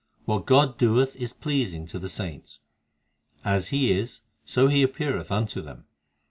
What God doeth is pleasing to the saints ; As He is, so He appeareth unto them.